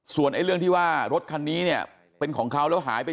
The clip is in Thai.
ส่วนไอ้เรื่องที่ว่ารถคันนี้เนี่ยเป็นของเขาแล้วหายไป